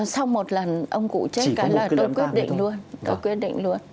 sau một lần ông cụ chết là tôi quyết định luôn